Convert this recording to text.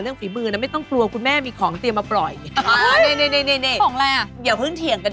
ชอบกินกล้วยพอดีเลยอ่ะ